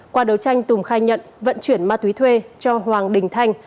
qua đấu tranh tùng khai nhận vận chuyển ma túy thuê cho hoàng đình thanh